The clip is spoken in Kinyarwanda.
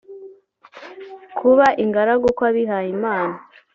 kuba ingaragu kw’abihaye Imana